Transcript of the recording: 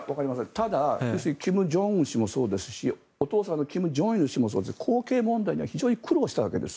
ただ、金正恩氏もそうですしお父さんの金正日氏もそうですが後継問題には非常に苦労したわけです。